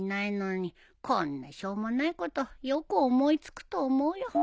こんなしょうもないことよく思い付くと思うよ。